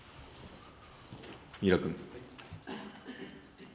三浦君。